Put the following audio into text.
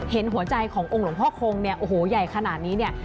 เห็นหัวใจขององค์หลวงพ่อคงโอ้โฮใหญ่ขนาดนี้